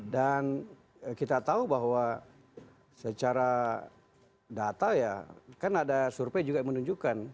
dan kita tahu bahwa secara data ya kan ada survei juga yang menunjukkan